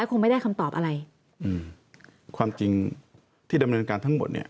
คงไม่ได้คำตอบอะไรอืมความจริงที่ดำเนินการทั้งหมดเนี้ย